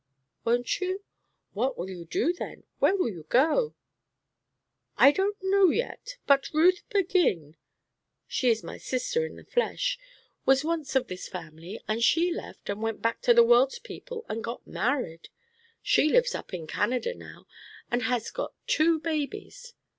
"Won't you? What will you do then? Where will you go?" "I don't know yet; but Ruth Berguin she is my sister in the flesh was once of this family, and she left, and went back to the world's people and got married. She lives up in Canada now, and has got two babies.